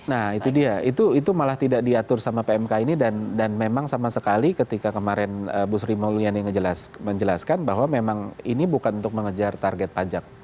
nah itu dia itu malah tidak diatur sama pmk ini dan memang sama sekali ketika kemarin bu sri mulyani menjelaskan bahwa memang ini bukan untuk mengejar target pajak